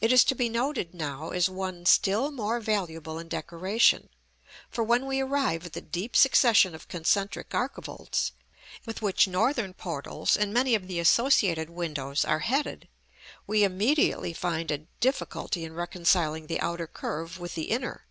it is to be noted now as one still more valuable in decoration: for when we arrive at the deep succession of concentric archivolts, with which northern portals, and many of the associated windows, are headed, we immediately find a difficulty in reconciling the outer curve with the inner.